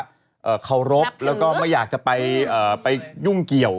สมบัติบาร์แล้วก็ไม่อยากจะไปยุ่งเกี่ยว